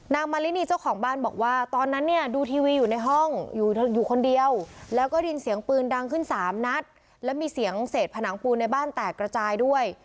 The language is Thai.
มารินีเจ้าของบ้านบอกว่าตอนนั้นเนี่ยดูทีวีอยู่ในห้องอยู่คนเดียวแล้วก็ได้ยินเสียงปืนดังขึ้นสามนัดแล้วมีเสียงเศษผนังปูนในบ้านแตกกระจายด้วย